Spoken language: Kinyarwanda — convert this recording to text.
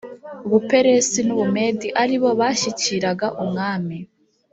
buperesi n u bumedi ari bo bashyikiraga umwami